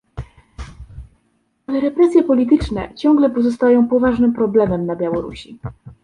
Ale represje polityczne ciągle pozostają poważnym problemem na Białorusi